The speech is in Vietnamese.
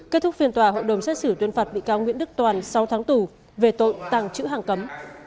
kết thúc phiên tòa hội đồng xét xử tuyên phạt bị cáo nguyễn đức toàn sáu tháng tù về tội tàng trữ hàng cấm